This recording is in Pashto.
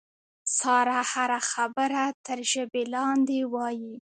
ساره هره خبره تر ژبې لاندې وایي.